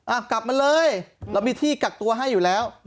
กลับมาเลยเรามีที่กักตัวให้อยู่แล้ว